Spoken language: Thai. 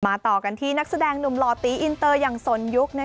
ต่อกันที่นักแสดงหนุ่มหล่อตีอินเตอร์อย่างสนยุค